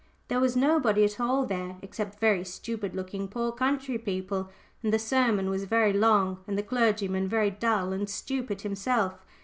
There was nobody at all there except very stupid looking, poor country people, and the sermon was very long, and the clergyman very dull and stupid himself.